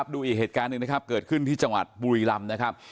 ดูอีกเหตุการณ์หนึ่งนะครับเกิดขึ้นที่จังหวัดบุรีรำนะครับ